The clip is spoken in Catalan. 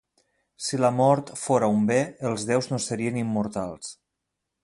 Si la mort fóra un bé, els déus no serien immortals